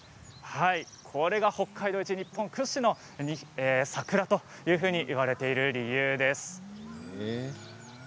これが北海道一、日本屈指の桜といわれている理由です。